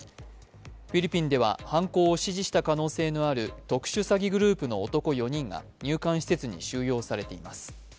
フィリピンでは犯行を指示した可能性のある特殊詐欺グループの男４人が入管施設に収容されています。